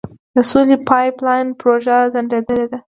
د سولې پایپ لاین پروژه ځنډیدلې ده.